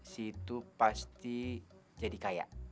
si itu pasti jadi kaya